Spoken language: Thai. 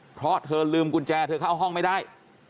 เพราะเธอลืมกุญแจเธอเข้าห้องไม่ได้